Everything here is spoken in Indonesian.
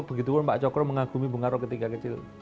begitu pun pak cokro mengagumi bung karno ketika kecil